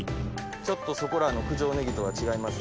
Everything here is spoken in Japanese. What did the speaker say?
ちょっとそこらの九条ねぎとは違います。